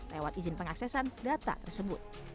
lewat izin pengaksesan data tersebut